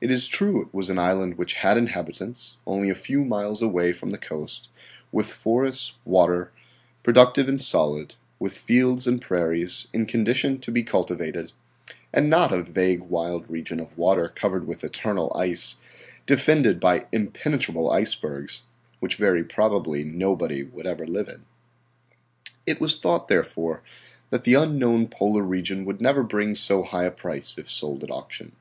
It is true it was an island which had inhabitants, only a few miles away from the coast, with forests, water, productive and solid, with fields and prairies, in condition to be cultivated, and not a vague wild region of water covered with eternal ice, defended by impenetrable icebergs, which very probably nobody would ever live in. It was thought, therefore, that the unknown polar region would never bring so high a price if sold at auction.